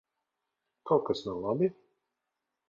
Kaut kas nav labi?